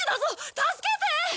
助けて！